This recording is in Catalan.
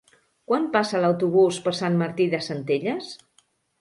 Quan passa l'autobús per Sant Martí de Centelles?